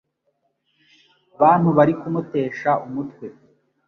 Bantu bari kumutesha umutwe!